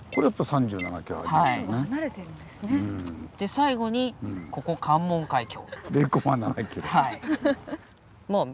最後にここ関門海峡。